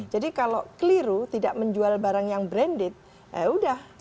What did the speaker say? jadi kalau keliru tidak menjual barang yang branded ya sudah